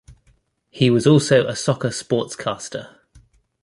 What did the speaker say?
He was also a soccer sportscaster.